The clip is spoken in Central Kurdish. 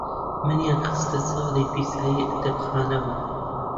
منیان خستە چاڵی پیسایی ئەدەبخانەوە،